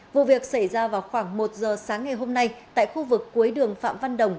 vụ việc xảy ra vào khoảng một giờ sáng ngày hôm nay tại khu vực cuối đường phạm văn đồng